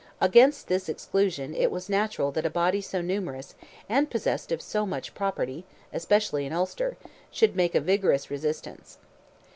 Against this exclusion it was natural that a body so numerous, and possessed of so much property, especially in Ulster, should make a vigorous resistance.